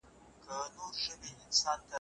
چېري د اساسي قانون تشریح کیږي؟